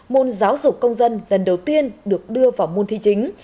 môn giáo dục công dân lần đầu tiên được đưa vào môn thi chính